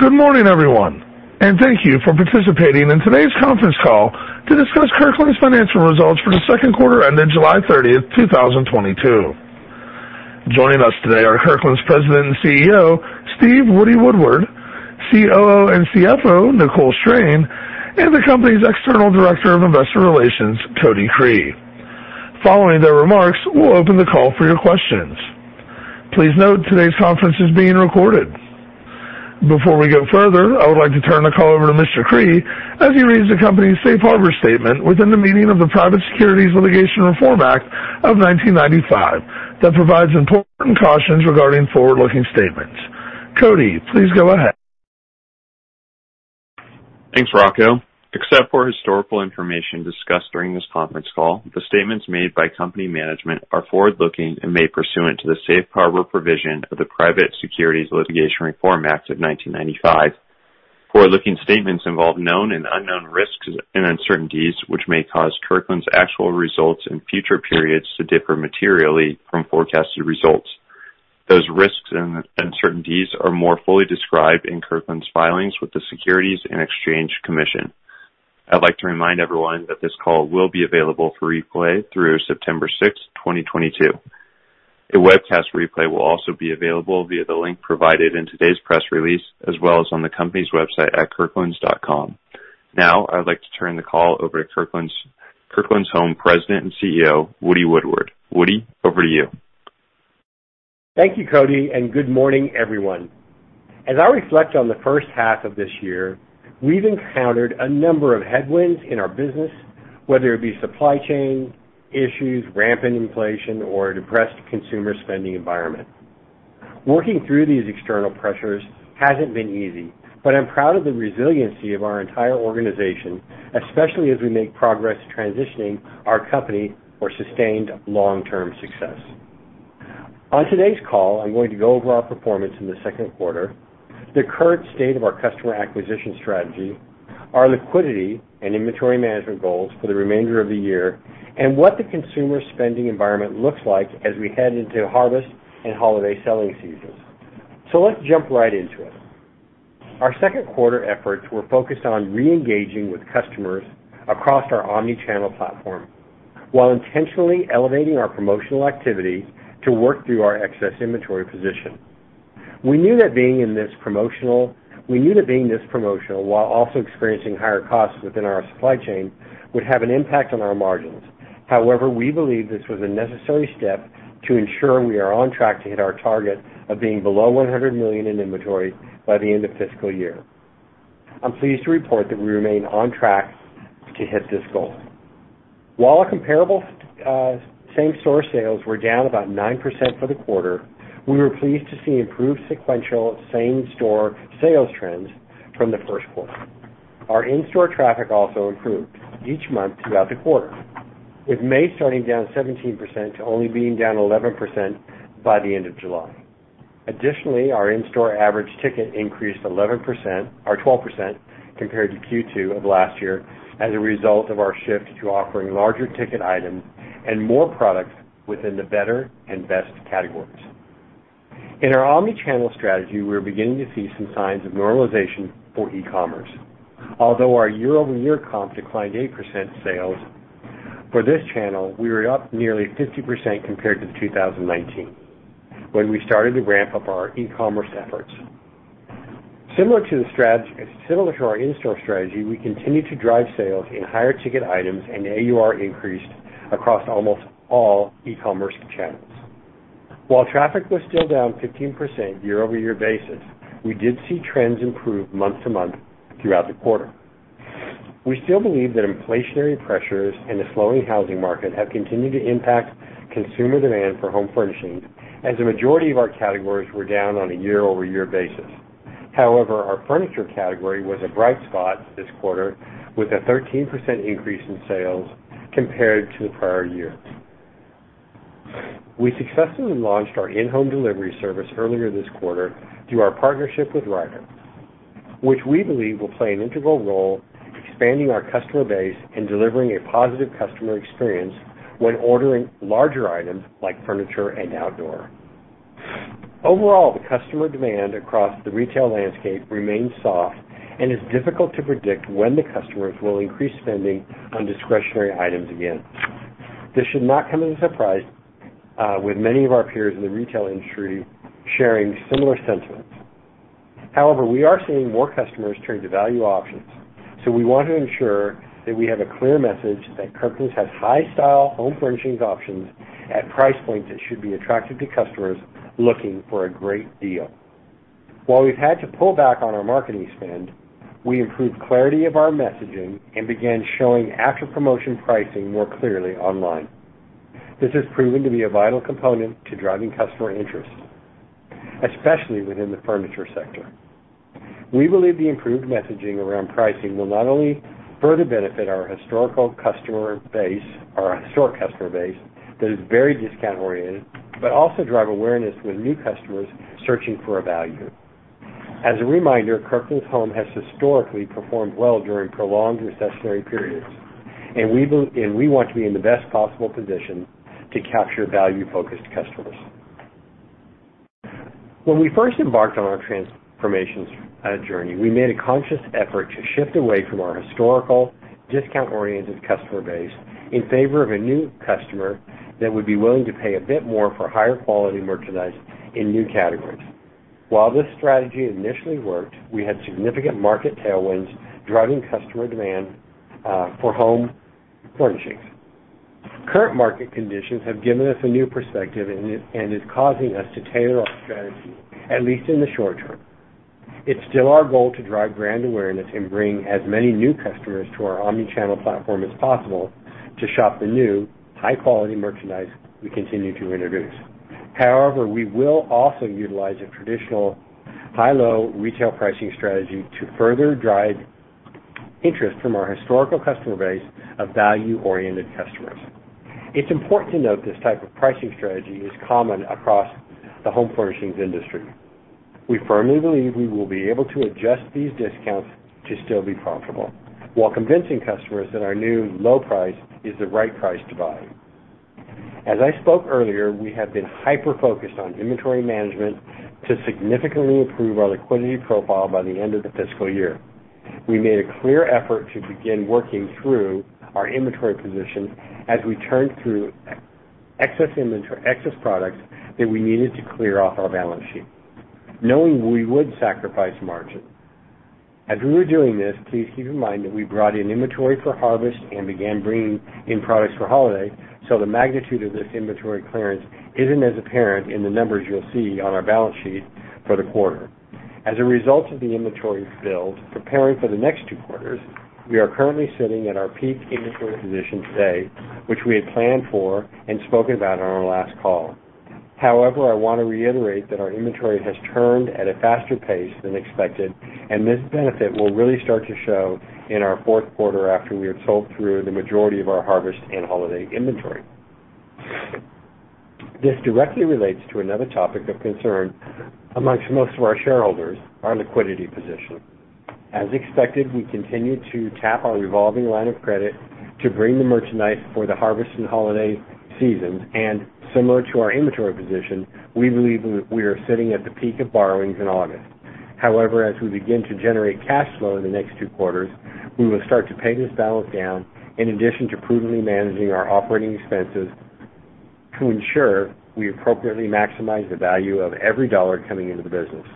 Good morning, everyone, and thank you for participating in today's conference call to discuss Kirkland's financial results for the second quarter ended July 30th, 2022. Joining us today are Kirkland's President and CEO, Steve Woody Woodward, COO and CFO, Nicole Strain, and the company's External Director of Investor Relations, Cody Cree. Following their remarks, we'll open the call for your questions. Please note today's conference is being recorded. Before we go further, I would like to turn the call over to Mr. Cree as he reads the company's Safe Harbor statement within the meaning of the Private Securities Litigation Reform Act of 1995 that provides important cautions regarding forward-looking statements. Cody, please go ahead. Thanks, Rocco. Except for historical information discussed during this conference call, the statements made by company management are forward-looking and made pursuant to the Safe Harbor provision of the Private Securities Litigation Reform Act of 1995. Forward-looking statements involve known and unknown risks and uncertainties, which may cause Kirkland's actual results in future periods to differ materially from forecasted results. Those risks and uncertainties are more fully described in Kirkland's filings with the Securities and Exchange Commission. I'd like to remind everyone that this call will be available for replay through September 6, 2022. A webcast replay will also be available via the link provided in today's press release, as well as on the company's website at kirklands.com. Now, I would like to turn the call over to Kirkland's Home President and CEO, Woody Woodward. Woody, over to you. Thank you, Cody, and good morning, everyone. As I reflect on the first half of this year, we've encountered a number of headwinds in our business, whether it be supply chain issues, rampant inflation, or a depressed consumer spending environment. Working through these external pressures hasn't been easy, but I'm proud of the resiliency of our entire organization, especially as we make progress transitioning our company for sustained long-term success. On today's call, I'm going to go over our performance in the second quarter, the current state of our customer acquisition strategy, our liquidity and inventory management goals for the remainder of the year, and what the consumer spending environment looks like as we head into harvest and holiday selling seasons. Let's jump right into it. Our second quarter efforts were focused on reengaging with customers across our omni-channel platform while intentionally elevating our promotional activity to work through our excess inventory position. We knew that being this promotional while also experiencing higher costs within our supply chain would have an impact on our margins. However, we believe this was a necessary step to ensure we are on track to hit our target of being below $100 million in inventory by the end of fiscal year. I'm pleased to report that we remain on track to hit this goal. While our comparable same-store sales were down about 9% for the quarter, we were pleased to see improved sequential same-store sales trends from the first quarter. Our in-store traffic also improved each month throughout the quarter, with May starting down 17% to only being down 11% by the end of July. Additionally, our in-store average ticket increased 11% or 12% compared to Q2 of last year as a result of our shift to offering larger ticket items and more products within the better and best categories. In our omni-channel strategy, we are beginning to see some signs of normalization for e-commerce. Although our year-over-year comp declined 8% sales, for this channel, we were up nearly 50% compared to 2019 when we started the ramp up our e-commerce efforts. Similar to our in-store strategy, we continued to drive sales in higher ticket items, and AUR increased across almost all e-commerce channels. While traffic was still down 15% year-over-year basis, we did see trends improve month-to-month throughout the quarter. We still believe that inflationary pressures in the slowing housing market have continued to impact consumer demand for home furnishings as the majority of our categories were down on a year-over-year basis. However, our furniture category was a bright spot this quarter, with a 13% increase in sales compared to the prior year. We successfully launched our in-home delivery service earlier this quarter through our partnership with Ryder, which we believe will play an integral role in expanding our customer base and delivering a positive customer experience when ordering larger items like furniture and outdoor. Overall, the customer demand across the retail landscape remains soft and is difficult to predict when the customers will increase spending on discretionary items again. This should not come as a surprise, with many of our peers in the retail industry sharing similar sentiments. However, we are seeing more customers turn to value options, so we want to ensure that we have a clear message that Kirkland's has high-style home furnishing options at price points that should be attractive to customers looking for a great deal. While we've had to pull back on our marketing spend, we improved clarity of our messaging and began showing after promotion pricing more clearly online. This has proven to be a vital component to driving customer interest, especially within the furniture sector. We believe the improved messaging around pricing will not only further benefit our historic customer base that is very discount-oriented, but also drive awareness with new customers searching for a value. As a reminder, Kirkland's Home has historically performed well during prolonged recessionary periods. We want to be in the best possible position to capture value-focused customers. When we first embarked on our transformations journey, we made a conscious effort to shift away from our historical discount-oriented customer base in favor of a new customer that would be willing to pay a bit more for higher quality merchandise in new categories. While this strategy initially worked, we had significant market tailwinds driving customer demand for home furnishings. Current market conditions have given us a new perspective, and it is causing us to tailor our strategy, at least in the short term. It's still our goal to drive brand awareness and bring as many new customers to our omni-channel platform as possible to shop the new high-quality merchandise we continue to introduce. However, we will also utilize a traditional high-low retail pricing strategy to further drive interest from our historical customer base of value-oriented customers. It's important to note this type of pricing strategy is common across the home furnishings industry. We firmly believe we will be able to adjust these discounts to still be profitable while convincing customers that our new low price is the right price to buy. As I spoke earlier, we have been hyper-focused on inventory management to significantly improve our liquidity profile by the end of the fiscal year. We made a clear effort to begin working through our inventory position as we turned through excess inventory and excess products that we needed to clear off our balance sheet, knowing we would sacrifice margin. As we were doing this, please keep in mind that we brought in inventory for harvest and began bringing in products for holiday, so the magnitude of this inventory clearance isn't as apparent in the numbers you'll see on our balance sheet for the quarter. As a result of the inventory build preparing for the next two quarters, we are currently sitting at our peak inventory position today, which we had planned for and spoken about on our last call. However, I wanna reiterate that our inventory has turned at a faster pace than expected, and this benefit will really start to show in our fourth quarter after we have sold through the majority of our harvest and holiday inventory. This directly relates to another topic of concern amongst most of our shareholders, our liquidity position. As expected, we continue to tap our revolving line of credit to bring the merchandise for the harvest and holiday seasons. Similar to our inventory position, we believe we are sitting at the peak of borrowings in August. However, as we begin to generate cash flow in the next two quarters, we will start to pay this balance down in addition to prudently managing our operating expenses to ensure we appropriately maximize the value of every dollar coming into the business.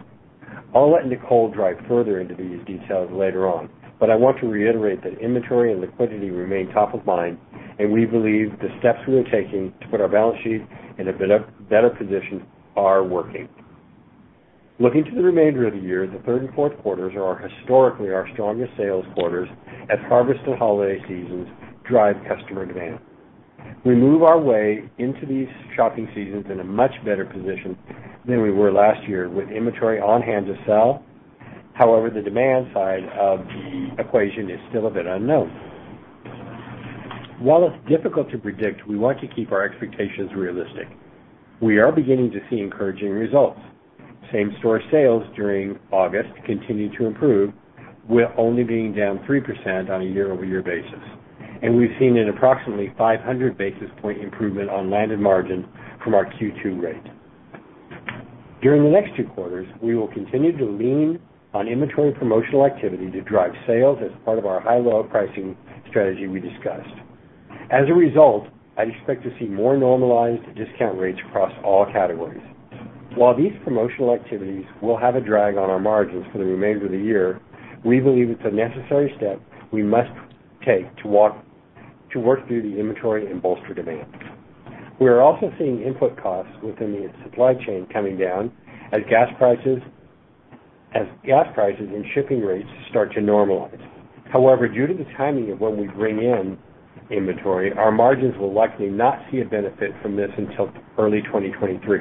I'll let Nicole dive further into these details later on, but I want to reiterate that inventory and liquidity remain top of mind, and we believe the steps we are taking to put our balance sheet in a better position are working. Looking to the remainder of the year, the third and fourth quarters are historically our strongest sales quarters as harvest and holiday seasons drive customer demand. We move our way into these shopping seasons in a much better position than we were last year with inventory on-hand to sell. However, the demand side of the equation is still a bit unknown. While it's difficult to predict, we want to keep our expectations realistic. We are beginning to see encouraging results. Same-store sales during August continued to improve. We're only being down 3% on a year-over-year basis, and we've seen an approximately 500 basis point improvement on landed margin from our Q2 rate. During the next two quarters, we will continue to lean on inventory promotional activity to drive sales as part of our high-low pricing strategy we discussed. As a result, I'd expect to see more normalized discount rates across all categories. While these promotional activities will have a drag on our margins for the remainder of the year, we believe it's a necessary step we must take to work through the inventory and bolster demand. We are also seeing input costs within the supply chain coming down as gas prices and shipping rates start to normalize. However, due to the timing of when we bring in inventory, our margins will likely not see a benefit from this until early 2023.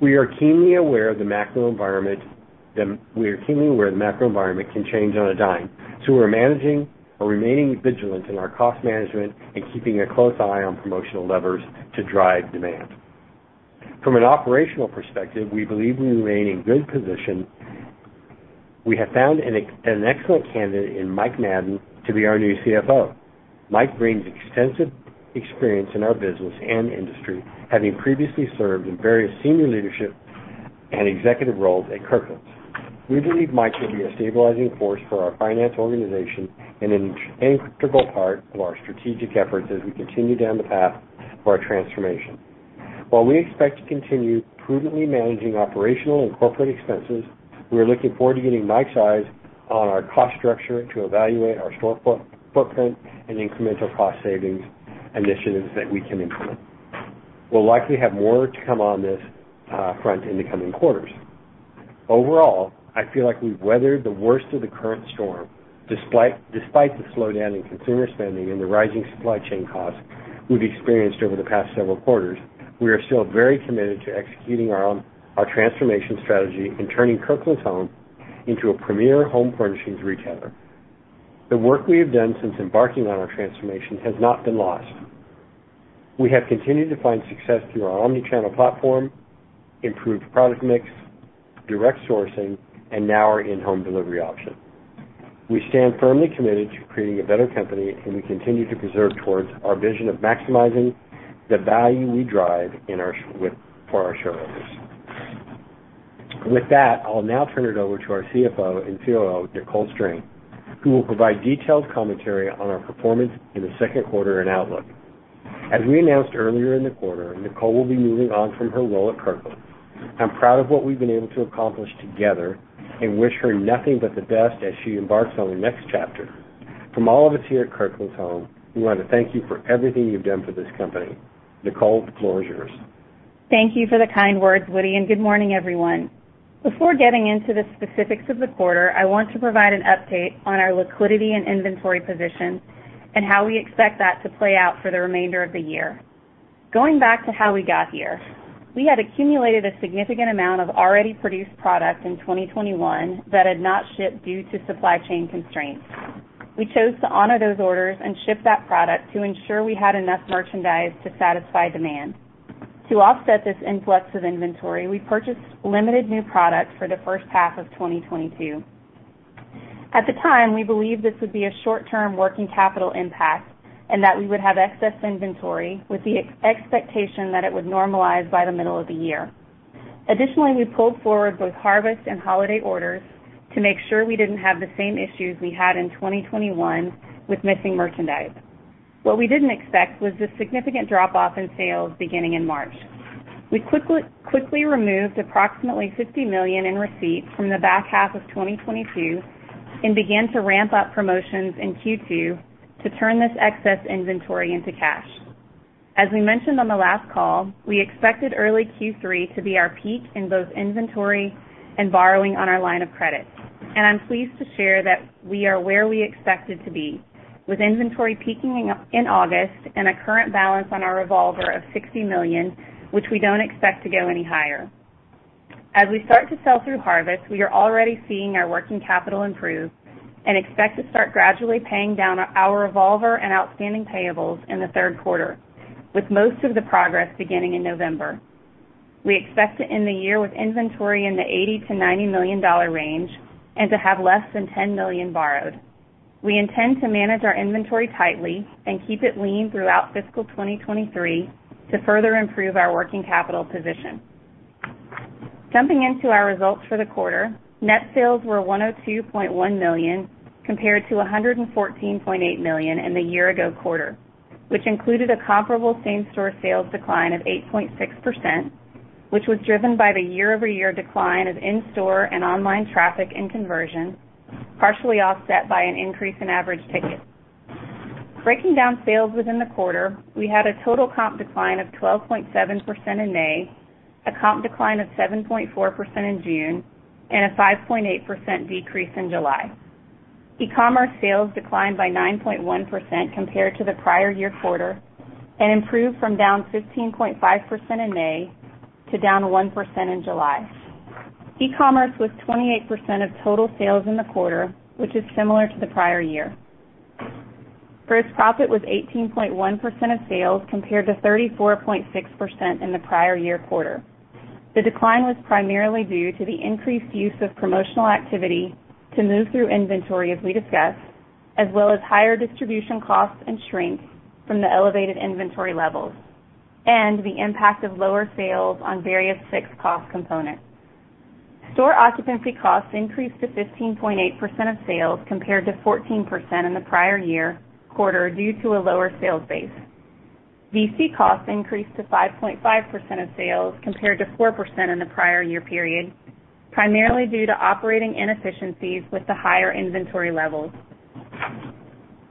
We are keenly aware of the macro environment can change on a dime, so we're managing or remaining vigilant in our cost management and keeping a close eye on promotional levers to drive demand. From an operational perspective, we believe we remain in good position. We have found an excellent candidate in Mike Madden to be our new CFO. Mike brings extensive experience in our business and industry, having previously served in various senior leadership and executive roles at Kirkland's. We believe Mike will be a stabilizing force for our finance organization and an integral part of our strategic efforts as we continue down the path for our transformation. While we expect to continue prudently managing operational and corporate expenses, we are looking forward to getting Mike's eyes on our cost structure to evaluate our store footprint and incremental cost savings initiatives that we can implement. We'll likely have more to come on this front in the coming quarters. Overall, I feel like we've weathered the worst of the current storm despite the slowdown in consumer spending and the rising supply chain costs we've experienced over the past several quarters. We are still very committed to executing our transformation strategy and turning Kirkland's Home into a premier home furnishings retailer. The work we have done since embarking on our transformation has not been lost. We have continued to find success through our omni-channel platform, improved product mix, direct sourcing, and now our in-home delivery option. We stand firmly committed to creating a better company, and we continue to persevere towards our vision of maximizing the value we drive for our shareholders. With that, I'll now turn it over to our CFO and COO, Nicole Strain, who will provide detailed commentary on our performance in the second quarter and outlook. As we announced earlier in the quarter, Nicole will be moving on from her role at Kirkland's. I'm proud of what we've been able to accomplish together, and wish her nothing but the best as she embarks on the next chapter. From all of us here at Kirkland's Home, we want to thank you for everything you've done for this company. Nicole, the floor is yours. Thank you for the kind words, Woody, and good morning, everyone. Before getting into the specifics of the quarter, I want to provide an update on our liquidity and inventory position and how we expect that to play out for the remainder of the year. Going back to how we got here, we had accumulated a significant amount of already produced product in 2021 that had not shipped due to supply chain constraints. We chose to honor those orders and ship that product to ensure we had enough merchandise to satisfy demand. To offset this influx of inventory, we purchased limited new products for the first half of 2022. At the time, we believed this would be a short-term working capital impact and that we would have excess inventory with the expectation that it would normalize by the middle of the year. Additionally, we pulled forward both harvest and holiday orders to make sure we didn't have the same issues we had in 2021 with missing merchandise. What we didn't expect was the significant drop-off in sales beginning in March. We quickly removed approximately $50 million in receipts from the back half of 2022 and began to ramp up promotions in Q2 to turn this excess inventory into cash. As we mentioned on the last call, we expected early Q3 to be our peak in both inventory and borrowing on our line of credit. I'm pleased to share that we are where we expected to be, with inventory peaking in August and a current balance on our revolver of $60 million, which we don't expect to go any higher. As we start to sell through harvest, we are already seeing our working capital improve and expect to start gradually paying down our revolver and outstanding payables in the third quarter, with most of the progress beginning in November. We expect to end the year with inventory in the $80 million-$90 million range and to have less than $10 million borrowed. We intend to manage our inventory tightly and keep it lean throughout fiscal 2023 to further improve our working capital position. Jumping into our results for the quarter, net sales were $102.1 million compared to $114.8 million in the year-ago quarter, which included a comparable same-store sales decline of 8.6%, which was driven by the year-over-year decline of in-store and online traffic and conversion, partially offset by an increase in average ticket. Breaking down sales within the quarter, we had a total comp decline of 12.7% in May, a comp decline of 7.4% in June, and a 5.8% decrease in July. E-commerce sales declined by 9.1% compared to the prior year quarter and improved from down 15.5% in May to down 1% in July. E-commerce was 28% of total sales in the quarter, which is similar to the prior year. Gross profit was 18.1% of sales compared to 34.6% in the prior year quarter. The decline was primarily due to the increased use of promotional activity to move through inventory as we discussed, as well as higher distribution costs and shrink from the elevated inventory levels and the impact of lower sales on various fixed cost components. Store occupancy costs increased to 15.8% of sales compared to 14% in the prior year quarter due to a lower sales base. DC costs increased to 5.5% of sales compared to 4% in the prior year period, primarily due to operating inefficiencies with the higher inventory levels.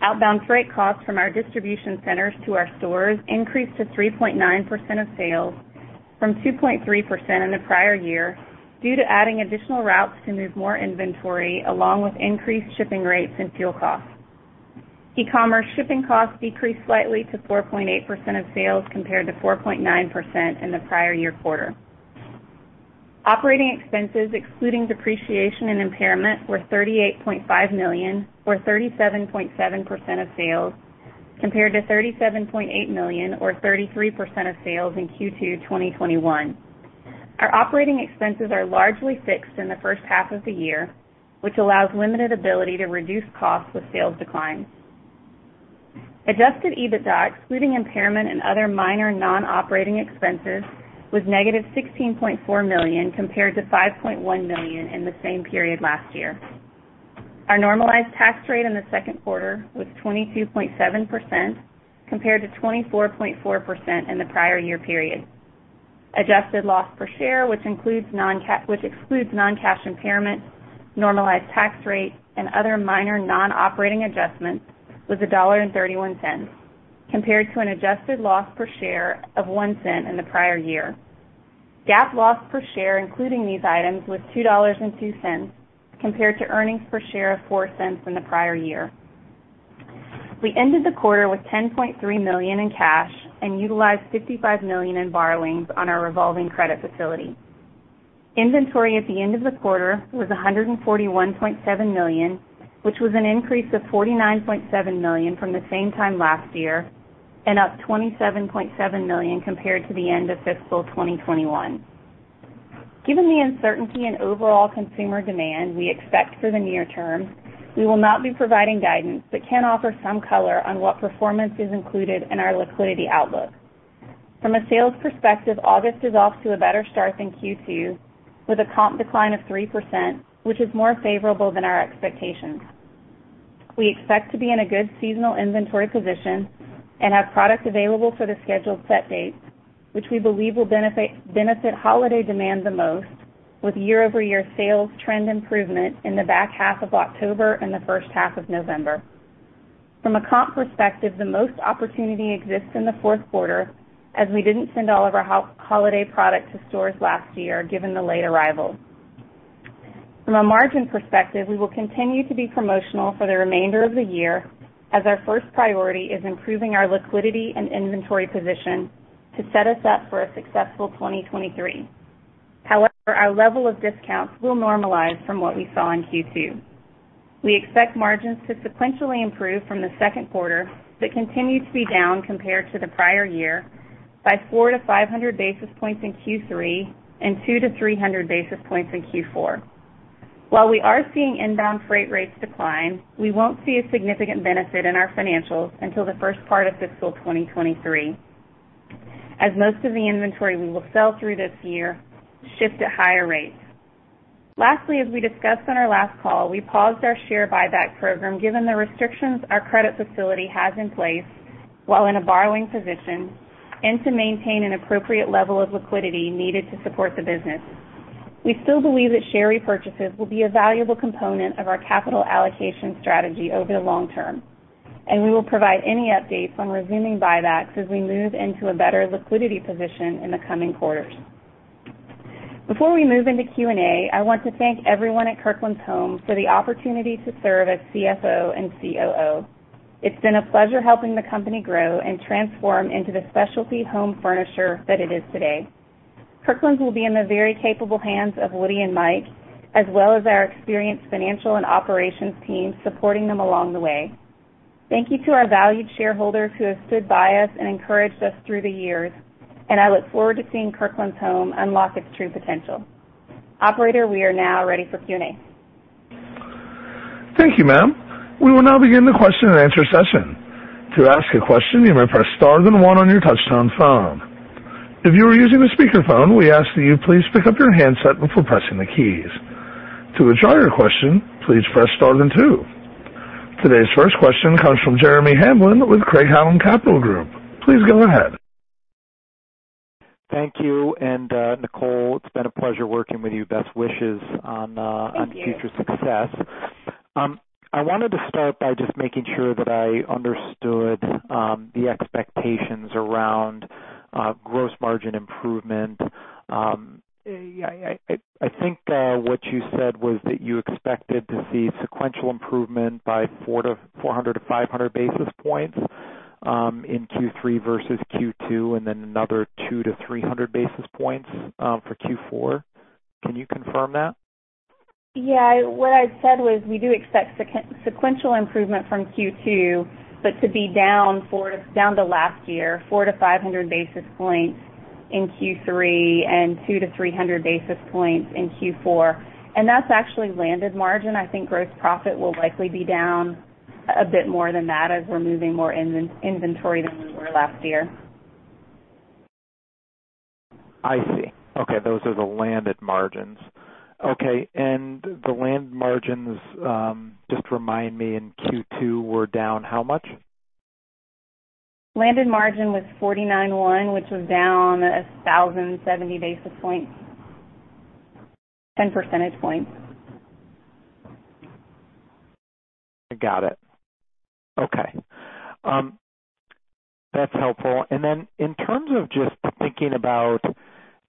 Outbound freight costs from our distribution centers to our stores increased to 3.9% of sales from 2.3% in the prior year due to adding additional routes to move more inventory along with increased shipping rates and fuel costs. E-commerce shipping costs decreased slightly to 4.8% of sales compared to 4.9% in the prior year quarter. Operating expenses, excluding depreciation and impairment, were $38.5 million or 37.7% of sales, compared to $37.8 million or 33% of sales in Q2 2021. Our operating expenses are largely fixed in the first half of the year, which allows limited ability to reduce costs with sales declines. Adjusted EBITDA, excluding impairment and other minor non-operating expenses, was negative $16.4 million compared to $5.1 million in the same period last year. Our normalized tax rate in the second quarter was 22.7% compared to 24.4% in the prior year period. Adjusted loss per share, which excludes non-cash impairment, normalized tax rate, and other minor non-operating adjustments, was $1.31 compared to an adjusted loss per share of $0.01 in the prior year. GAAP loss per share including these items was $2.02, compared to earnings per share of $0.04 in the prior year. We ended the quarter with $10.3 million in cash and utilized $55 million in borrowings on our revolving credit facility. Inventory at the end of the quarter was $141.7 million, which was an increase of $49.7 million from the same time last year and up $27.7 million compared to the end of fiscal 2021. Given the uncertainty in overall consumer demand we expect for the near term, we will not be providing guidance, but can offer some color on what performance is included in our liquidity outlook. From a sales perspective, August is off to a better start than Q2, with a comp decline of 3%, which is more favorable than our expectations. We expect to be in a good seasonal inventory position and have product available for the scheduled set dates, which we believe will benefit holiday demand the most with year-over-year sales trend improvement in the back half of October and the first half of November. From a comp perspective, the most opportunity exists in the fourth quarter as we didn't send all of our holiday product to stores last year, given the late arrival. From a margin perspective, we will continue to be promotional for the remainder of the year as our first priority is improving our liquidity and inventory position to set us up for a successful 2023. However, our level of discounts will normalize from what we saw in Q2. We expect margins to sequentially improve from the second quarter, but continue to be down compared to the prior year by 400-500 basis points in Q3 and 200-300 basis points in Q4. While we are seeing inbound freight rates decline, we won't see a significant benefit in our financials until the first part of fiscal 2023, as most of the inventory we will sell through this year shift at higher rates. Lastly, as we discussed on our last call, we paused our share buyback program given the restrictions our credit facility has in place while in a borrowing position and to maintain an appropriate level of liquidity needed to support the business. We still believe that share repurchases will be a valuable component of our capital allocation strategy over the long term, and we will provide any updates on resuming buybacks as we move into a better liquidity position in the coming quarters. Before we move into Q&A, I want to thank everyone at Kirkland's Home for the opportunity to serve as CFO and COO. It's been a pleasure helping the company grow and transform into the specialty home furnisher that it is today. Kirkland's will be in the very capable hands of Woody and Mike, as well as our experienced financial and operations team supporting them along the way. Thank you to our valued shareholders who have stood by us and encouraged us through the years, and I look forward to seeing Kirkland's Home unlock its true potential. Operator, we are now ready for Q&A. Thank you, ma'am. We will now begin the question-and-answer session. To ask a question, you may press star then one on your touchtone phone. If you are using a speakerphone, we ask that you please pick up your handset before pressing the keys. To withdraw your question, please press star then two. Today's first question comes from Jeremy Hamblin with Craig-Hallum Capital Group. Please go ahead. Thank you. Nicole, it's been a pleasure working with you. Best wishes on. Thank you. On future success. I wanted to start by just making sure that I understood the expectations around gross margin improvement. I think what you said was that you expected to see sequential improvement by 400-500 basis points in Q3 versus Q2, and then another 200-300 basis points for Q4. Can you confirm that? Yeah. What I said was we do expect sequential improvement from Q2, but to be down 400-500 basis points to last year in Q3 and 200-300 basis points in Q4. That's actually landed margin. I think gross profit will likely be down a bit more than that as we're moving more inventory than we were last year. I see. Okay. Those are the landed margins. Okay. The landed margins, just remind me, in Q2 were down how much? Landed margin was 49.1%, which was down 1,070 basis points. Percentage points. I got it. Okay. That's helpful. In terms of just thinking about,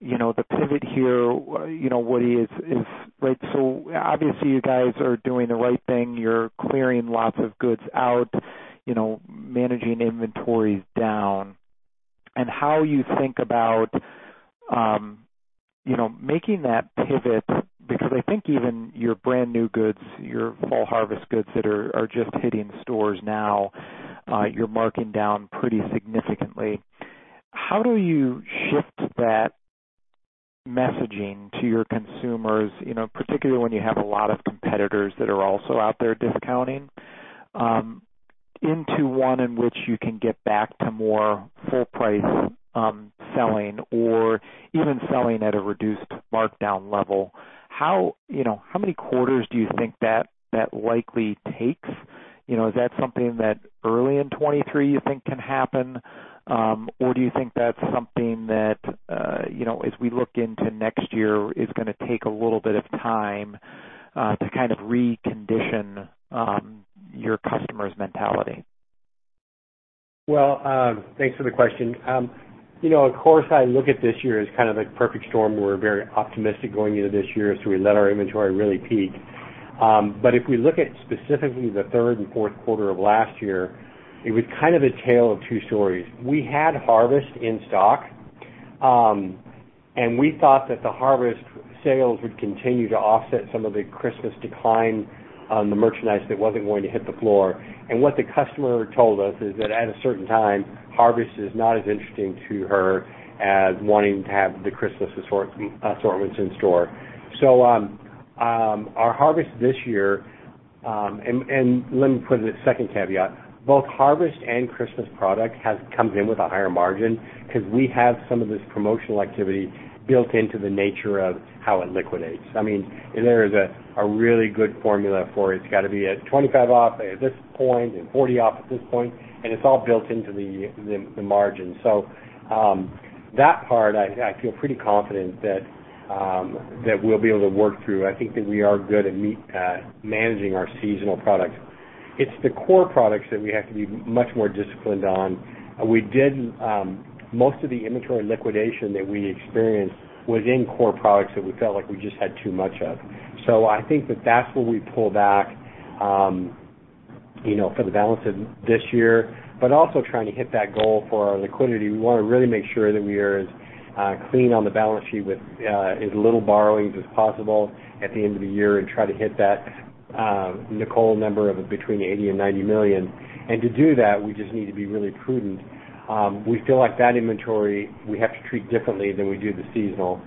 you know, the pivot here, you know, Woody is right. Obviously you guys are doing the right thing. You're clearing lots of goods out, you know, managing inventories down and how you think about, you know, making that pivot because I think even your brand new goods, your fall harvest goods that are just hitting stores now, you're marking down pretty significantly. How do you shift that messaging to your consumers, you know, particularly when you have a lot of competitors that are also out there discounting, into one in which you can get back to more full price, selling or even selling at a reduced markdown level. How, you know, how many quarters do you think that likely takes? You know, is that something that early in 2023 you think can happen? Or do you think that's something that, you know, as we look into next year, is gonna take a little bit of time, to kind of recondition, your customers' mentality? Well, thanks for the question. You know, of course, I look at this year as kind of a perfect storm. We're very optimistic going into this year, so we let our inventory really peak. If we look at specifically the third and fourth quarter of last year, it was kind of a tale of two stories. We had Harvest in stock, and we thought that the Harvest sales would continue to offset some of the Christmas decline on the merchandise that wasn't going to hit the floor. What the customer told us is that at a certain time, Harvest is not as interesting to her as wanting to have the Christmas assortments in store. Our Harvest this year. Let me put in a second caveat. Both harvest and Christmas product comes in with a higher margin because we have some of this promotional activity built into the nature of how it liquidates. I mean, there is a really good formula for it. It's got to be at 25 off at this point and 40 off at this point, and it's all built into the margin. That part I feel pretty confident that we'll be able to work through. I think that we are good at managing our seasonal products. It's the core products that we have to be much more disciplined on. We didn't. Most of the inventory liquidation that we experienced was in core products that we felt like we just had too much of. I think that that's where we pull back, you know, for the balance of this year, but also trying to hit that goal for our liquidity. We wanna really make sure that we are clean on the balance sheet with as little borrowings as possible at the end of the year and try to hit that Nicole number of between $80 million-$90 million. To do that, we just need to be really prudent. We feel like that inventory we have to treat differently than we do the seasonal.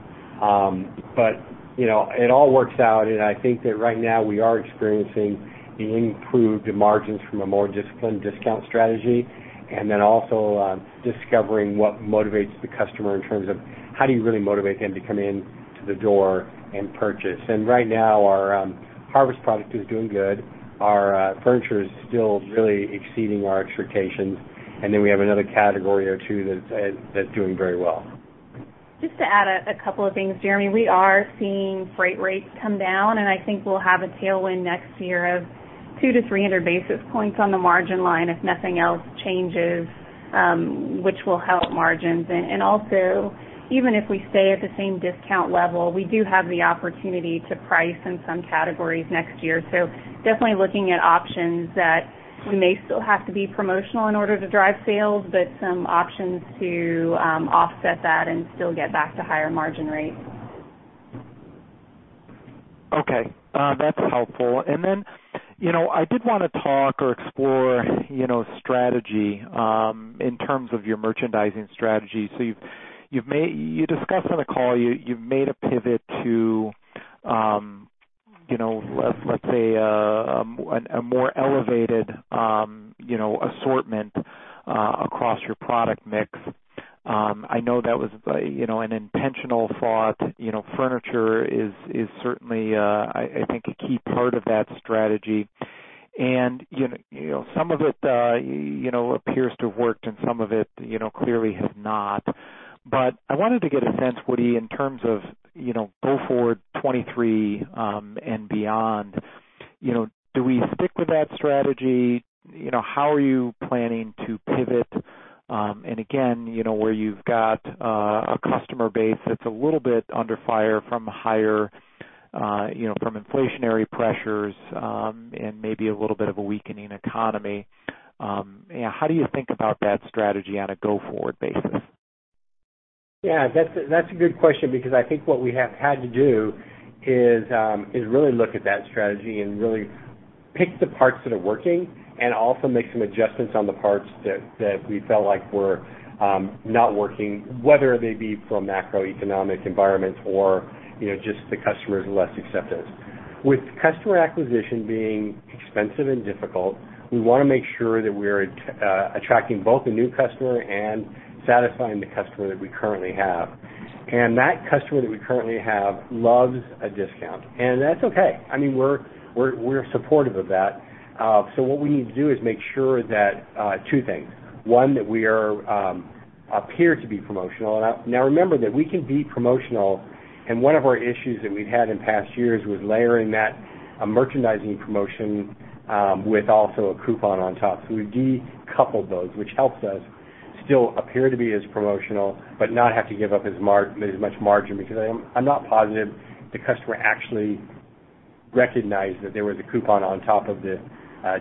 But, you know, it all works out. I think that right now we are experiencing the improved margins from a more disciplined discount strategy and then also discovering what motivates the customer in terms of how do you really motivate them to come into the door and purchase. Right now our harvest product is doing good. Our furniture is still really exceeding our expectations. Then we have another category or two that's doing very well. Just to add a couple of things, Jeremy. We are seeing freight rates come down, and I think we'll have a tailwind next year of 200-300 basis points on the margin line if nothing else changes, which will help margins. Also, even if we stay at the same discount level, we do have the opportunity to price in some categories next year. Definitely looking at options that we may still have to be promotional in order to drive sales, but some options to offset that and still get back to higher margin rates. Okay, that's helpful. You know, I did wanna talk or explore, you know, strategy, in terms of your merchandising strategy. You discussed on the call you've made a pivot to, you know, let's say, a more elevated, you know, assortment, across your product mix. I know that was, you know, an intentional thought. You know, furniture is certainly, I think a key part of that strategy. You know, some of it, you know, appears to have worked and some of it, you know, clearly has not. I wanted to get a sense, Woody, in terms of, you know, go forward 2023, and beyond. You know, do we stick with that strategy? You know, how are you planning to pivot? Again, you know, where you've got a customer base that's a little bit under fire from higher, you know, from inflationary pressures, and maybe a little bit of a weakening economy, how do you think about that strategy on a go-forward basis? Yeah, that's a good question, because I think what we have had to do is really look at that strategy and really pick the parts that are working and also make some adjustments on the parts that we felt like were not working, whether they be from macroeconomic environments or, you know, just customers are less accepting. With customer acquisition being expensive and difficult, we wanna make sure that we're attracting both a new customer and satisfying the customer that we currently have. That customer that we currently have loves a discount, and that's okay. I mean, we're supportive of that. What we need to do is make sure that two things. One, that we appear to be promotional. Now remember that we can be promotional, and one of our issues that we've had in past years was layering that, a merchandising promotion, with also a coupon on top. We've decoupled those, which helps us still appear to be as promotional but not have to give up as much margin because I'm not positive the customer actually recognized that there was a coupon on top of the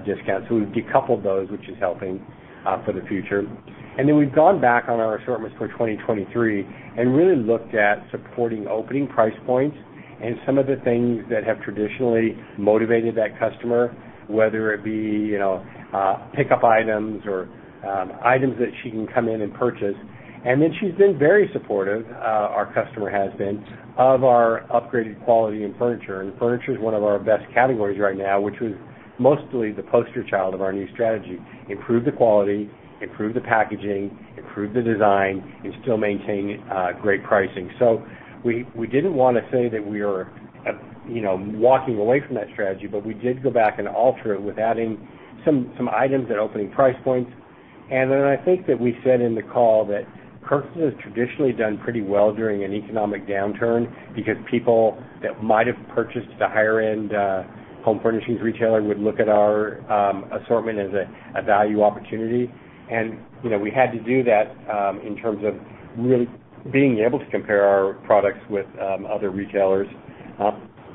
discount. We've decoupled those, which is helping for the future. Then we've gone back on our assortments for 2023 and really looked at supporting opening price points and some of the things that have traditionally motivated that customer, whether it be, you know, pickup items or items that she can come in and purchase. Then she's been very supportive, our customer has been, of our upgraded quality and furniture. Furniture is one of our best categories right now, which was mostly the poster child of our new strategy. Improve the quality, improve the packaging, improve the design, and still maintain great pricing. We didn't wanna say that we are, you know, walking away from that strategy, but we did go back and alter it with adding some items at opening price points. Then I think that we said in the call that Kirkland has traditionally done pretty well during an economic downturn because people that might have purchased a higher end home furnishings retailer would look at our assortment as a value opportunity. You know, we had to do that in terms of really being able to compare our products with other retailers.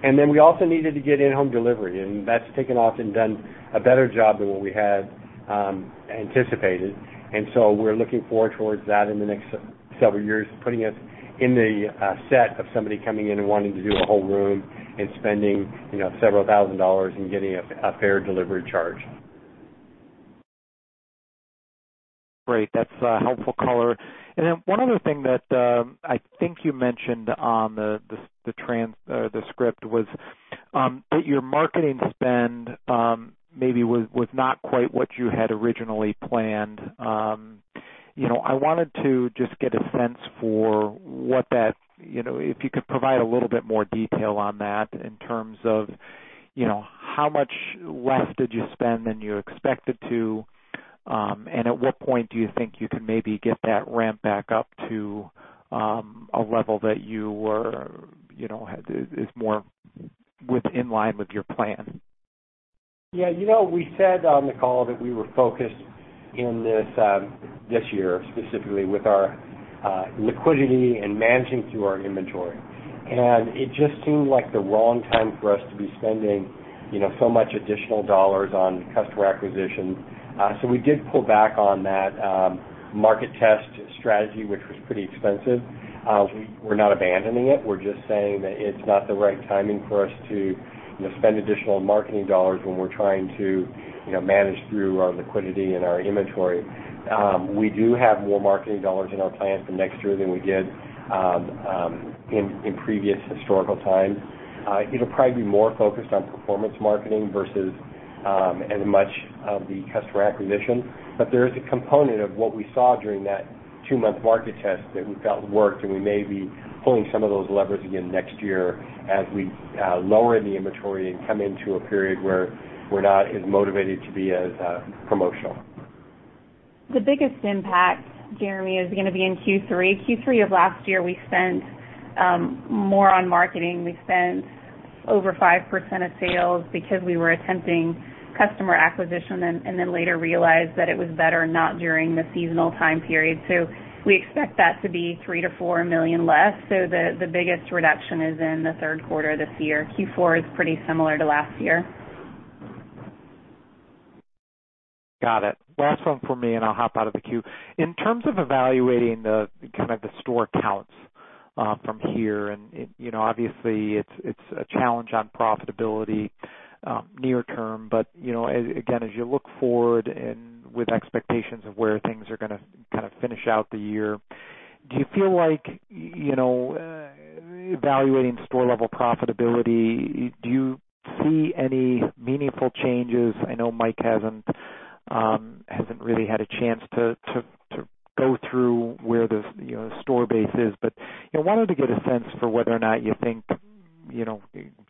We also needed to get in-home delivery, and that's taken off and done a better job than what we had anticipated. We're looking forward towards that in the next several years, putting us in the set of somebody coming in and wanting to do a whole room and spending, you know, several thousand dollars and getting a fair delivery charge. Great. That's a helpful color. One other thing that I think you mentioned on the transcript was that your marketing spend maybe was not quite what you had originally planned. You know, I wanted to just get a sense for what that. You know, if you could provide a little bit more detail on that in terms of, you know, how much less did you spend than you expected to, and at what point do you think you can maybe get that ramped back up to a level that you were, you know, is more in line with your plan? Yeah. You know, we said on the call that we were focused in this year, specifically with our liquidity and managing through our inventory. It just seemed like the wrong time for us to be spending, you know, so much additional dollars on customer acquisition. We did pull back on that market test strategy, which was pretty expensive. We're not abandoning it. We're just saying that it's not the right timing for us to, you know, spend additional marketing dollars when we're trying to, you know, manage through our liquidity and our inventory. We do have more marketing dollars in our plan for next year than we did in previous historical times. It'll probably be more focused on performance marketing versus as much of the customer acquisition. There is a component of what we saw during that two-month market test that we felt worked, and we may be pulling some of those levers again next year as we lower the inventory and come into a period where we're not as motivated to be as promotional. The biggest impact, Jeremy, is gonna be in Q3. Q3 of last year, we spent more on marketing. We spent over 5% of sales because we were attempting customer acquisition and then later realized that it was better not during the seasonal time period. We expect that to be $3 million-$4 million less. The biggest reduction is in the third quarter this year. Q4 is pretty similar to last year. Got it. Last one for me, and I'll hop out of the queue. In terms of evaluating kind of the store counts from here and, you know, obviously it's a challenge on profitability near term. You know, again, as you look forward and with expectations of where things are gonna kinda finish out the year, do you feel like, you know, evaluating store-level profitability, do you see any meaningful changes? I know Mike hasn't really had a chance to go through where the you know, store base is. You know, wanted to get a sense for whether or not you think, you know,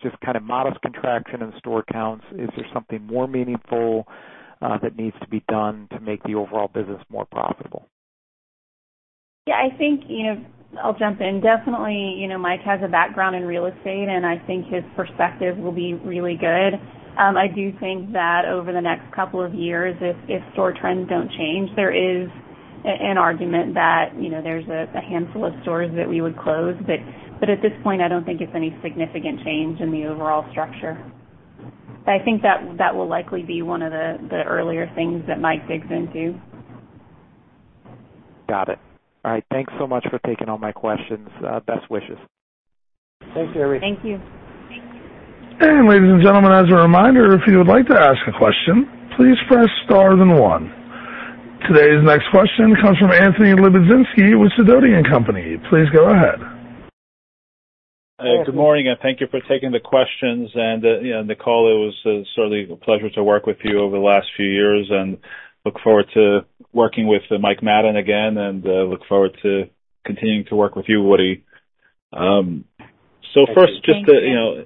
just kind of modest contraction in store counts. Is there something more meaningful that needs to be done to make the overall business more profitable? Yeah, I think, you know, I'll jump in. Definitely, you know, Mike has a background in real estate, and I think his perspective will be really good. I do think that over the next couple of years, if store trends don't change, there is an argument that, you know, there's a handful of stores that we would close, but at this point, I don't think it's any significant change in the overall structure. I think that will likely be one of the earlier things that Mike digs into. Got it. All right, thanks so much for taking all my questions. Best wishes. Thanks, Jeremy. Thank you. Thank you. Ladies and gentlemen, as a reminder, if you would like to ask a question, please press star then one. Today's next question comes from Anthony Lebiedzinski with Sidoti & Company. Please go ahead. Good morning, and thank you for taking the questions. You know, Nicole, it was certainly a pleasure to work with you over the last few years and look forward to working with Mike Madden again and look forward to continuing to work with you, Woody. Thank you. Just, you know,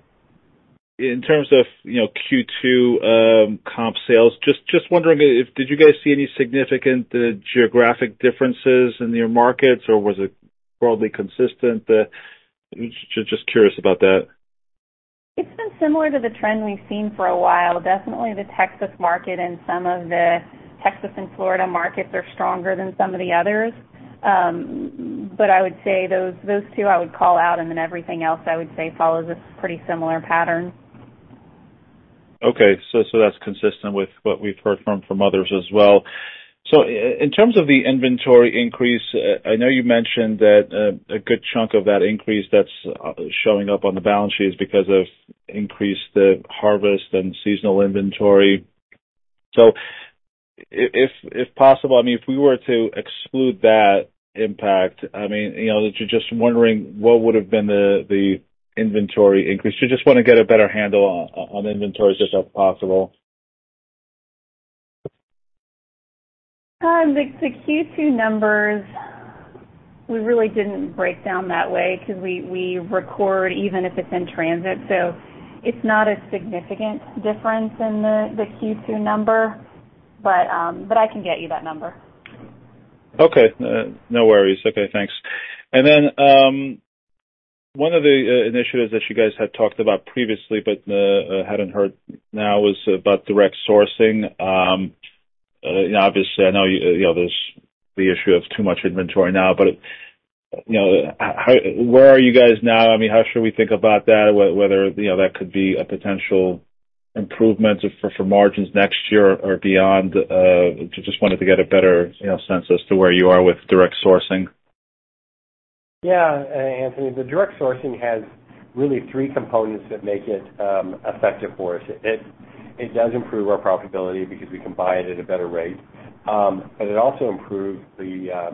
in terms of, you know, Q2, comp sales, just wondering if did you guys see any significant geographic differences in your markets, or was it broadly consistent? Just curious about that. It's been similar to the trend we've seen for a while. Definitely the Texas market and some of the Texas and Florida markets are stronger than some of the others. I would say those two I would call out, and then everything else I would say follows a pretty similar pattern. Okay. That's consistent with what we've heard from others as well. In terms of the inventory increase, I know you mentioned that a good chunk of that increase that's showing up on the balance sheet is because of increased harvest and seasonal inventory. If possible, I mean, if we were to exclude that impact, I mean, you know, just wondering what would've been the inventory increase. Just wanna get a better handle on inventories, if that's possible. The Q2 numbers, we really didn't break down that way because we record even if it's in transit. It's not a significant difference in the Q2 number. I can get you that number. Okay. No worries. Okay, thanks. One of the initiatives that you guys had talked about previously but hadn't heard now was about direct sourcing. Obviously I know, you know, there's the issue of too much inventory now, but you know, how, where are you guys now? I mean, how should we think about that, whether you know, that could be a potential improvement for margins next year or beyond? Just wanted to get a better, you know, sense as to where you are with direct sourcing? Yeah. Anthony, the direct sourcing has really three components that make it effective for us. It does improve our profitability because we can buy it at a better rate. It also improved the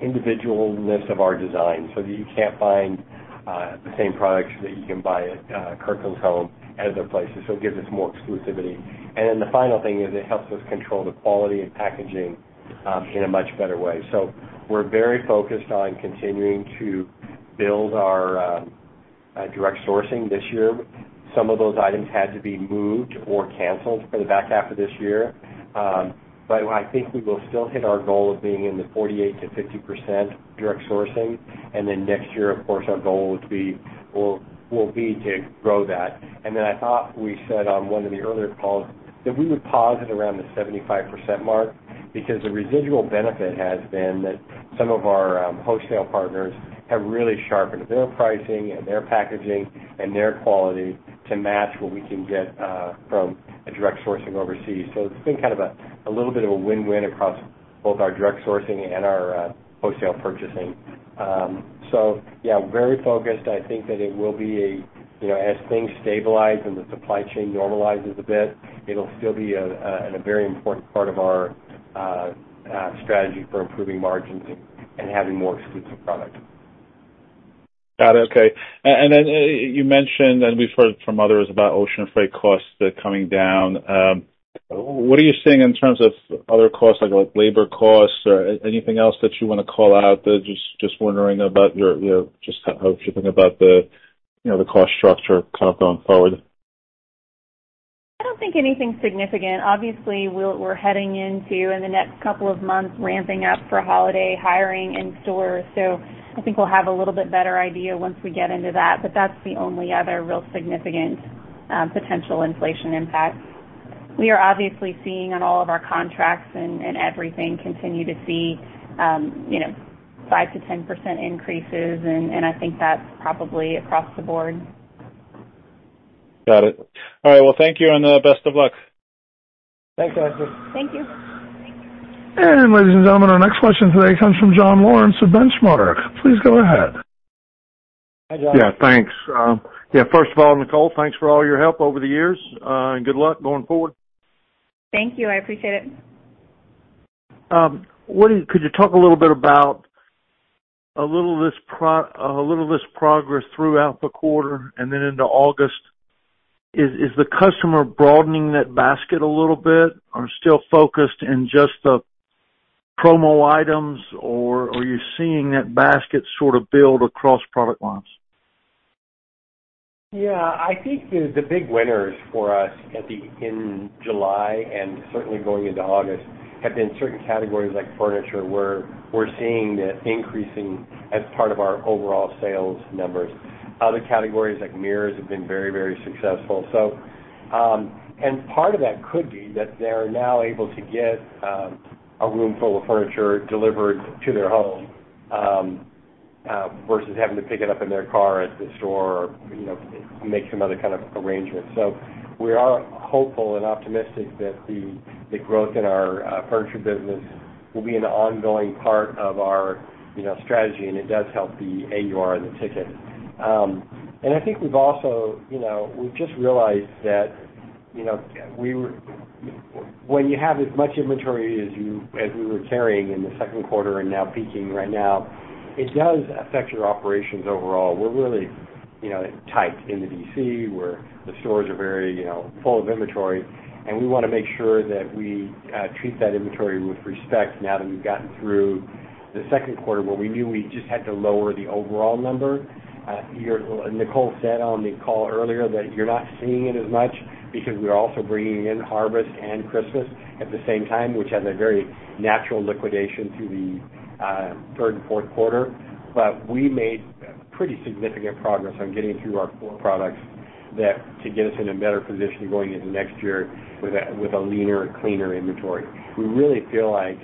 individuality of our design so that you can't find the same products that you can buy at Kirkland's Home and other places. It gives us more exclusivity. Then the final thing is it helps us control the quality and packaging in a much better way. We're very focused on continuing to build our direct sourcing this year. Some of those items had to be moved or canceled for the back half of this year. I think we will still hit our goal of being in the 48%-50% direct sourcing. Next year, of course, our goal will be to grow that. I thought we said on one of the earlier calls that we would pause at around the 75% mark because the residual benefit has been that some of our wholesale partners have really sharpened their pricing and their packaging and their quality to match what we can get from a direct sourcing overseas. It's been kind of a little bit of a win-win across both our direct sourcing and our wholesale purchasing. Yeah, very focused. I think that it will be a, you know, as things stabilize and the supply chain normalizes a bit, it'll still be a very important part of our strategy for improving margins and having more exclusive products. Got it. Okay. You mentioned, and we've heard from others about ocean freight costs coming down. What are you seeing in terms of other costs, like labor costs or anything else that you wanna call out? Just how should we think about the, you know, the cost structure kind of going forward? I don't think anything significant. Obviously, we're heading into the next couple of months, ramping up for holiday hiring in stores. I think we'll have a little bit better idea once we get into that. That's the only other real significant potential inflation impact. We are obviously seeing on all of our contracts and everything continue to see you know, 5%-10% increases, and I think that's probably across the board. Got it. All right. Well, thank you and best of luck. Thanks, Anthony. Thank you. Ladies and gentlemen, our next question today comes from John Lawrence of Benchmark. Please go ahead. Hi, John. Yeah, thanks. Yeah, first of all, Nicole, thanks for all your help over the years. Good luck going forward. Thank you. I appreciate it. Could you talk a little bit about a little of this progress throughout the quarter and then into August, is the customer broadening that basket a little bit or still focused in just the promo items, or are you seeing that basket sort of build across product lines? Yeah, I think the big winners for us in July and certainly going into August have been certain categories like furniture, where we're seeing it increasing as part of our overall sales numbers. Other categories like mirrors have been very successful. Part of that could be that they're now able to get a room full of furniture delivered to their home versus having to pick it up in their car at the store or, you know, make some other kind of arrangement. We are hopeful and optimistic that the growth in our furniture business will be an ongoing part of our strategy, and it does help the AUR and the ticket. I think we've also, you know, we've just realized that, you know, when you have as much inventory as we were carrying in the second quarter and now peaking right now, it does affect your operations overall. We're really, you know, tight in the DC, where the stores are very, you know, full of inventory, and we wanna make sure that we treat that inventory with respect now that we've gotten through the second quarter where we knew we just had to lower the overall number. Nicole said on the call earlier that you're not seeing it as much because we are also bringing in harvest and Christmas at the same time, which has a very natural liquidation through the third and fourth quarter. We made pretty significant progress on getting through our core products to get us in a better position going into next year with a leaner, cleaner inventory. We really feel like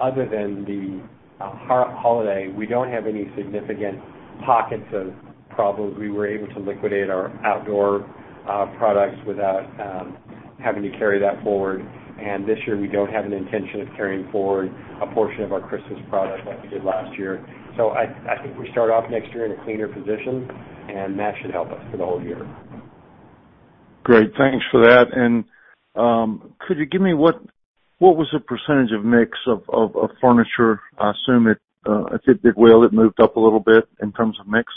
other than the holiday, we don't have any significant pockets of problems. We were able to liquidate our outdoor products without having to carry that forward. This year, we don't have an intention of carrying forward a portion of our Christmas product like we did last year. I think we start off next year in a cleaner position, and that should help us for the whole year. Great. Thanks for that. Could you give me what was the percentage of mix of furniture? I assume it, I think it did well. It moved up a little bit in terms of mix.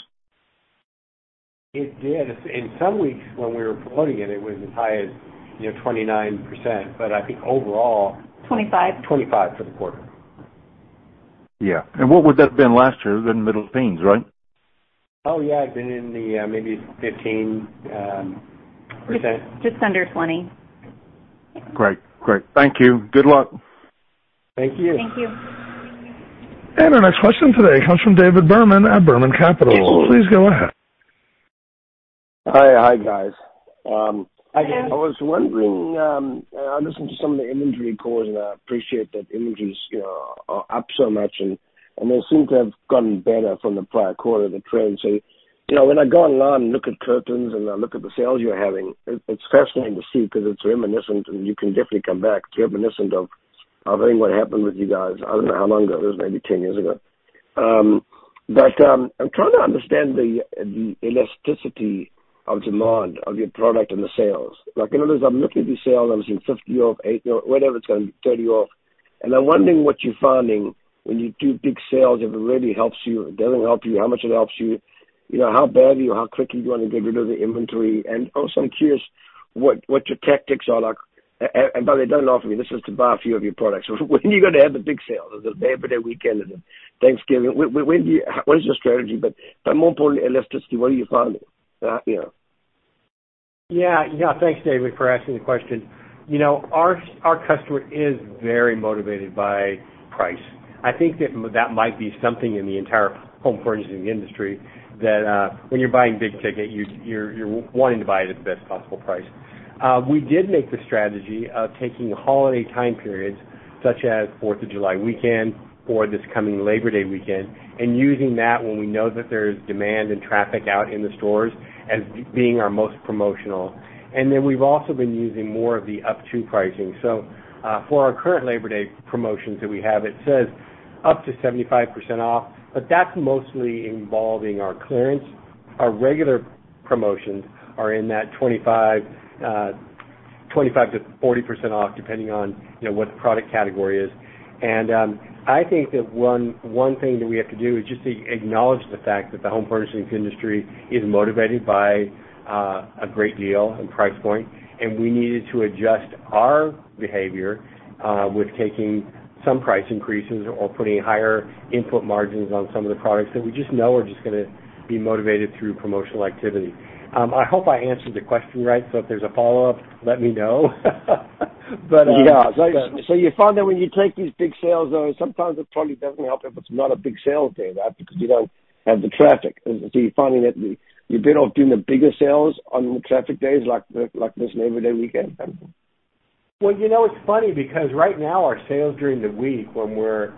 It did. In some weeks when we were promoting it was as high as, you know, 29%. I think overall. 25%. 25% for the quarter. Yeah. What would that have been last year? It was in the middle teens, right? Oh, yeah. It's been in the maybe 15%. Just under 20%. Great. Thank you. Good luck. Thank you. Thank you. Our next question today comes from David Berman at Berman Capital. Please go ahead. Hi. Hi, guys. Hi, David. I was wondering, I listened to some of the inventory calls, and I appreciate that inventory's, you know, are up so much, and they seem to have gotten better from the prior quarter, the trend. You know, when I go online and look at curtains and I look at the sales you're having, it's fascinating to see 'cause it's reminiscent of hearing what happened with you guys. I don't know how long ago. It was maybe 10 years ago. I'm trying to understand the elasticity of demand of your product and the sales. Like, in other words, I'm looking at the sale that was in 50% or 80% or whatever it's gonna be, 30% off, and I'm wondering what you're finding when you do big sales? If it really helps you, doesn't help you, how much it helps you. You know, how bad do you, how quickly you wanna get rid of the inventory. Also, I'm curious what your tactics are like. By the way, don't offer me. This is to buy a few of your products. When are you gonna have the big sale? Is it Labor Day weekend? Is it Thanksgiving? What is your strategy? More importantly, elasticity, what are you finding? You know. Yeah. Thanks, David, for asking the question. You know, our customer is very motivated by price. I think that might be something in the entire home furnishing industry that when you're buying big ticket, you're wanting to buy it at the best possible price. We did make the strategy of taking holiday time periods, such as July 4th weekend or this coming Labor Day weekend, and using that when we know that there's demand and traffic out in the stores as being our most promotional. We've also been using more of the up to pricing. For our current Labor Day promotions that we have, it says up to 75% off, but that's mostly involving our clearance. Our regular promotions are in that 25%-40% off, depending on, you know, what the product category is. I think that one thing that we have to do is just to acknowledge the fact that the home furnishings industry is motivated by a great deal and price point, and we needed to adjust our behavior with taking some price increases or putting higher input margins on some of the products that we just know are just gonna be motivated through promotional activity. I hope I answered the question right, so if there's a follow-up, let me know. Yeah. You found that when you take these big sales, though, sometimes it probably doesn't help if it's not a big sales day, right? Because you don't have the traffic. You're finding that you're better off doing the bigger sales on the traffic days, like this Labor Day weekend? Well, you know, it's funny because right now our sales during the week, when we're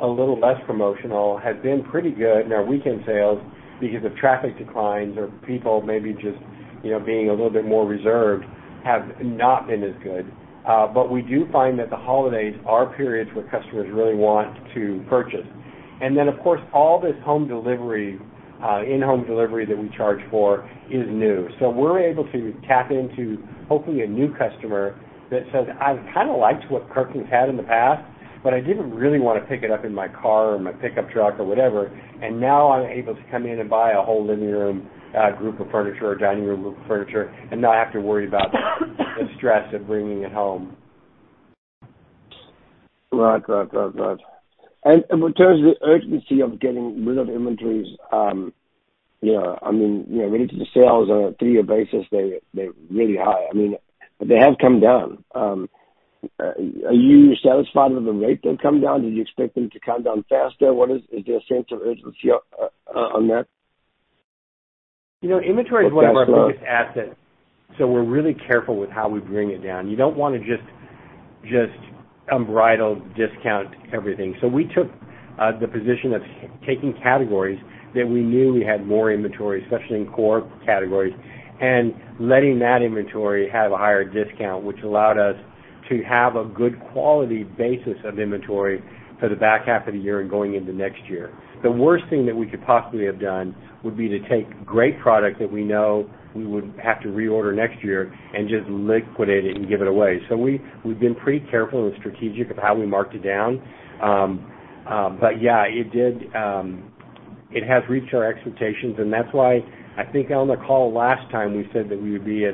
a little less promotional, have been pretty good. Our weekend sales, because of traffic declines or people maybe just, you know, being a little bit more reserved, have not been as good. We do find that the holidays are periods where customers really want to purchase. Of course, all this home delivery, in-home delivery that we charge for is new. We're able to tap into hopefully a new customer that says, "I've kinda liked what Kirkland's had in the past, but I didn't really wanna pick it up in my car or my pickup truck or whatever, and now I'm able to come in and buy a whole living room, group of furniture or dining room group of furniture and not have to worry about the stress of bringing it home. Right. In terms of the urgency of getting rid of inventories, you know, I mean, you know, related to the sales on a three-year basis, they're really high. I mean, they have come down. Are you satisfied with the rate they've come down? Do you expect them to come down faster? Is there a sense of urgency on that? You know, inventory is one of our biggest assets, so we're really careful with how we bring it down. You don't wanna just unbridled discount everything. We took the position of taking categories that we knew we had more inventory, especially in core categories, and letting that inventory have a higher discount, which allowed us to have a good quality basis of inventory for the back half of the year and going into next year. The worst thing that we could possibly have done would be to take great product that we know we would have to reorder next year and just liquidate it and give it away. We've been pretty careful and strategic of how we marked it down. Yeah, it did, it has reached our expectations, and that's why I think on the call last time we said that we would be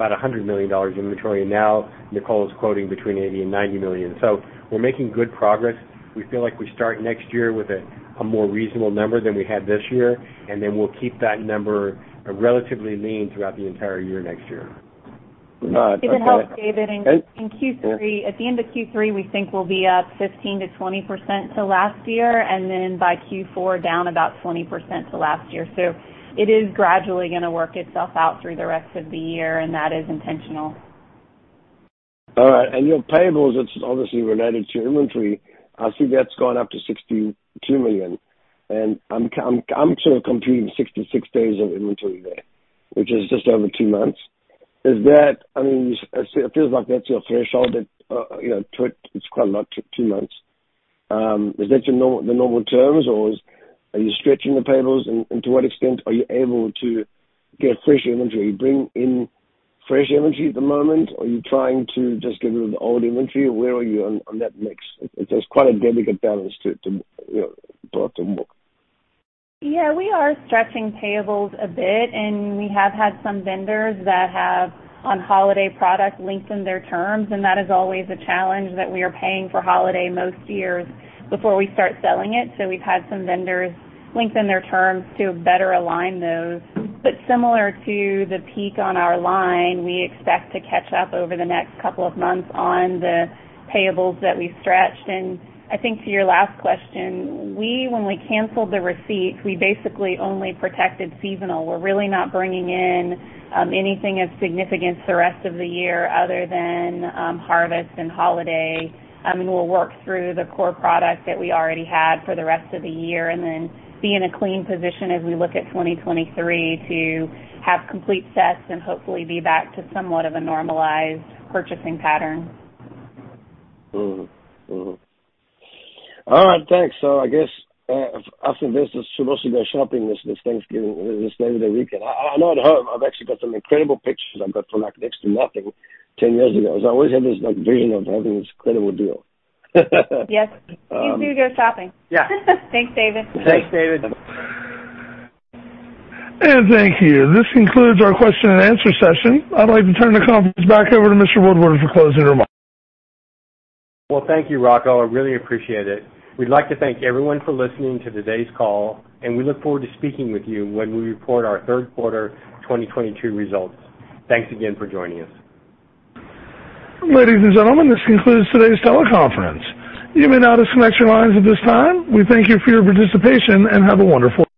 at about $100 million inventory, and now Nicole is quoting between $80 million and $90 million. We're making good progress. We feel like we start next year with a more reasonable number than we had this year, and then we'll keep that number relatively lean throughout the entire year next year. Right. Okay. To help, David. Okay. At the end of Q3, we think we'll be up 15%-20% to last year, and then by Q4, down about 20% to last year. It is gradually gonna work itself out through the rest of the year, and that is intentional. All right. Your payables, it's obviously related to your inventory. I see that's gone up to $62 million. I'm sort of computing 66 days of inventory there, which is just over two months. Is that? I mean, it feels like that's your threshold. It's quite a lot, two months. Is that the normal terms or are you stretching the payables? To what extent are you able to get fresh inventory? Are you bringing in fresh inventory at the moment? Are you trying to just get rid of the old inventory? Where are you on that mix? It's quite a delicate balance to. Yeah. We are stretching payables a bit, and we have had some vendors that have, on holiday product, lengthened their terms, and that is always a challenge that we are paying for holiday most years before we start selling it. We've had some vendors lengthen their terms to better align those. Similar to the peak on our line, we expect to catch up over the next couple of months on the payables that we've stretched. I think to your last question, we, when we canceled the receipts, we basically only protected seasonal. We're really not bringing in anything of significance the rest of the year other than harvest and holiday. I mean, we'll work through the core product that we already had for the rest of the year and then be in a clean position as we look at 2023 to have complete sets and hopefully be back to somewhat of a normalized purchasing pattern. All right. Thanks. I guess after this, I'm supposed to go shopping this Thanksgiving, this Labor Day weekend. I'm at home. I've actually got some incredible pictures for, like, next to nothing ten years ago. I always have this, like, vision of having this incredible deal. Yes. Please do your shopping. Yeah. Thanks, David. Thanks, David. Thank you. This concludes our question and answer session. I'd like to turn the conference back over to Mr. Woodward for closing remarks. Well, thank you, Rocco. I really appreciate it. We'd like to thank everyone for listening to today's call, and we look forward to speaking with you when we report our third quarter 2022 results. Thanks again for joining us. Ladies and gentlemen, this concludes today's teleconference. You may now disconnect your lines at this time. We thank you for your participation, and have a wonderful day.